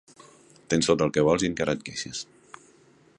Tens tot el que vols i encara et queixes.